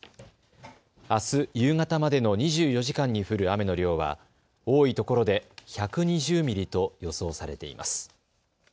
あす夕方までの２４時間に降る雨の量は多いところで１２０ミリと予想されています。